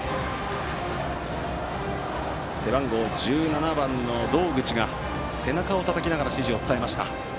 背番号１７番の堂口が背中をたたきながら指示を伝えました。